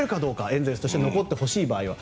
エンゼルスとして残ってほしい場合は。